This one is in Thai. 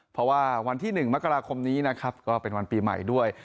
เพราะว่าวันที่๑มกราคมนี้นะครับก็เป็นวันปีใหม่ด้วย